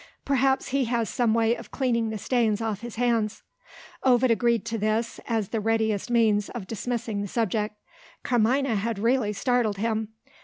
"Perhaps he has some way of cleaning the stains off his hands." Ovid agreed to this, as the readiest means of dismissing the subject. Carmina had really startled him.